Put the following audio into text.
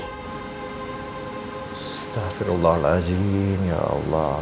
astagfirullahaladzim ya allah